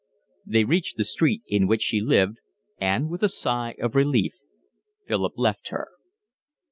They reached the street in which she lived, and with a sigh of relief Philip left her.